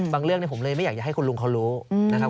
เรื่องผมเลยไม่อยากจะให้คุณลุงเขารู้นะครับ